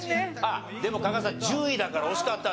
でも加賀さん１０位だから惜しかったんです。